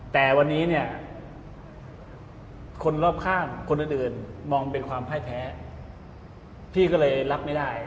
แต่วันนี้เนี่ยคนรอบข้างคนอื่นมองเป็นความพ่ายแพ้พี่ก็เลยรับไม่ได้